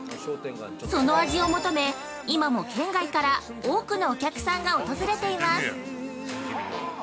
その味を求め、今も県外から多くのお客さんが訪れています。